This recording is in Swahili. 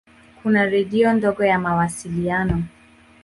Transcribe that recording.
Kuna redio ndogo ya mawasiliano.